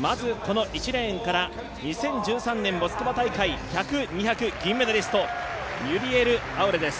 まずこの１レーンから、２０１３年モスクワ大会、１００、２００、銀メダリスト、ミュリエル・アウレです。